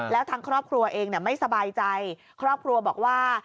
แล้วทางครอบครัวเองไม่สบายใจครอบครัวบอกว่า